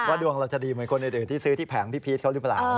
ดวงเราจะดีเหมือนคนอื่นที่ซื้อที่แผงพี่พีชเขาหรือเปล่า